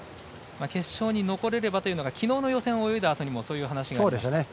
決勝に残れればというのがきのうの予選泳いだあとにも話していました。